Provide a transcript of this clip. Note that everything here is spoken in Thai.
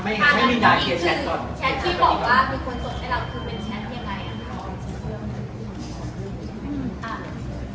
อันนี้คือแชทที่บอกว่ามีคนสนใจเราคือเป็นแชทยังไง